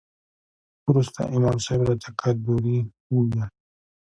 وروسته امام صاحب راته قدوري وويل.